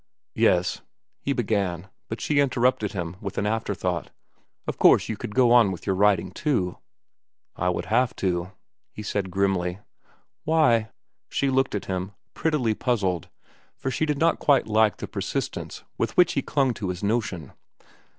"Yes—" he began; but she interrupted with an afterthought: "Of course, you could go on with your writing, too." "I would have to," he said grimly. "Why?" She looked at him, prettily puzzled, for she did not quite like the persistence with which he clung to his notion.